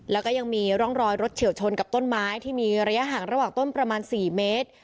แล้วก็ยังมีร่องรอยรถเฉียวชนกับต้นไม้ที่มีระยะห่างระหว่างต้นประมาณ๔เมตร